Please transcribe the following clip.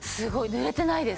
ぬれてないです。